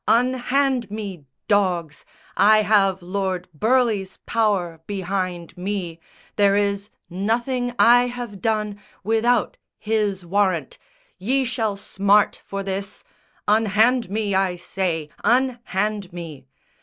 Unhand me, dogs! I have Lord Burleigh's power Behind me. There is nothing I have done Without his warrant! Ye shall smart for this! Unhand me, I say, unhand me!"